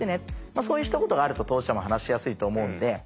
そういうひと言があると当事者も話しやすいと思うんで。